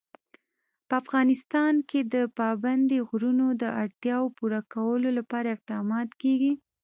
په افغانستان کې د پابندی غرونه د اړتیاوو پوره کولو لپاره اقدامات کېږي.